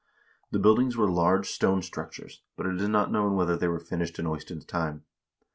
The buildings were large stone structures, but it is not known whether they were finished in Eystein's time.